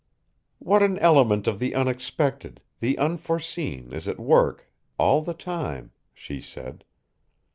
"What an element of the unexpected, the unforeseen, is at work all the time," she said.